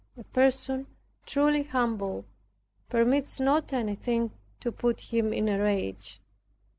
A person truly humbled permits not anything to put him in a rage.